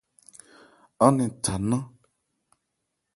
Án 'nɛn tha nnán.